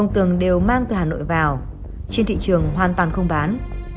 trên thị trường hoàn toàn không bán